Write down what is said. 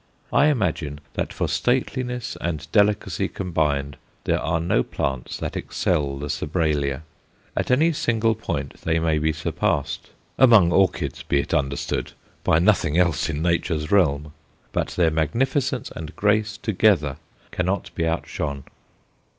I imagine that for stateliness and delicacy combined there are no plants that excel the Sobralia. At any single point they may be surpassed among orchids, be it understood, by nothing else in Nature's realm but their magnificence and grace together cannot be outshone.